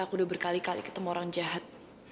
aku udah berkali kali ketemu orang jahat